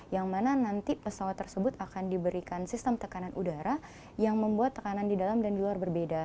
yang mana nanti pesawat tersebut akan diberikan sistem tekanan udara yang membuat tekanan di dalam dan di luar berbeda